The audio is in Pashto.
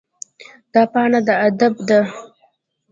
دا پاڼه د ادب ده.